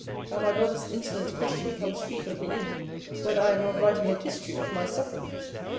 And my brother's insolent question comes frequently in, Whether I am not writing a history of my sufferings?